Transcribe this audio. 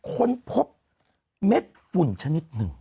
ค้นพบเม็ดฝุ่นชนิดหนึ่ง